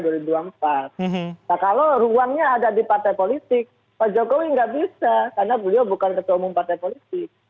nah kalau ruangnya ada di partai politik pak jokowi nggak bisa karena beliau bukan ketua umum partai politik